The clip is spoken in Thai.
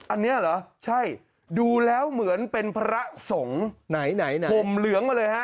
อันนี้เหรอใช่ดูแล้วเหมือนเป็นพระสงฆ์ไหนไหนห่มเหลืองมาเลยฮะ